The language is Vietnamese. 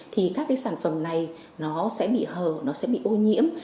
thì các cái sản phẩm này nó sẽ bị hờ nó sẽ bị ô nhiễm